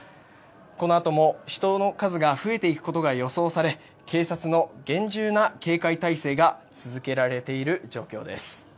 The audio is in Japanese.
このあとも人の数が増えていくことが予想され警察の厳重な警戒体制が続けられている状況です。